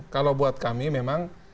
kalau buat kami memang